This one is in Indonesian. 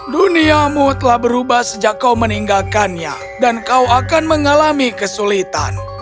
duniamu telah berubah sejak kau meninggalkannya dan kau akan mengalami kesulitan